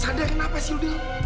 sadar kenapa sih lu dulu